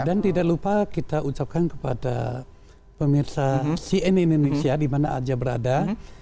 dan tidak lupa kita ucapkan kepada pemirsa cn indonesia di mana saja berada